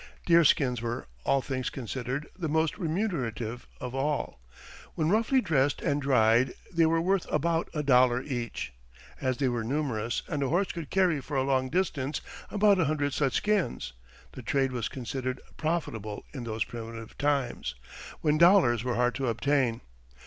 Deerskins were, all things considered, the most remunerative of all. When roughly dressed and dried they were worth about a dollar each; as they were numerous, and a horse could carry for a long distance about a hundred such skins, the trade was considered profitable in those primitive times, when dollars were hard to obtain.